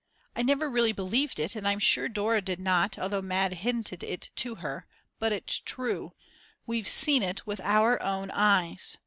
I never really believed it, and I'm sure Dora did not, although Mad. hinted it to her; but it's true. We've seen it with our own eyes.